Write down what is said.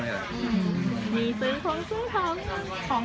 มีซื้อของซื้อของ